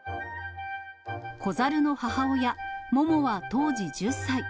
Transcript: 子ザルの母親、モモは当時１０歳。